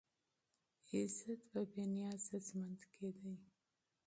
عزت په بې نیازه ژوند کې دی.